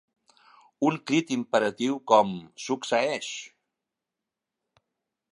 Un crit imperatiu com: succeeix!